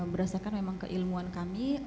berdasarkan keilmuan kami